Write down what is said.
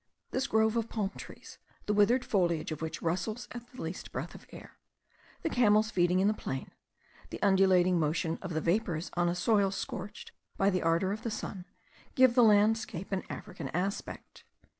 This grove of palm trees, the withered foliage of which rustles at the least breath of air the camels feeding in the plain the undulating motion of the vapours on a soil scorched by the ardour of the sun, give the landscape an African aspect.